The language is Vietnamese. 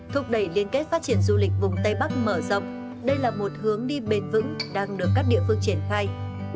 thúc đẩy liên kết phát triển du lịch vùng tây bắc mở rộng đây là một hướng đi bền vững đang được các địa phương triển khai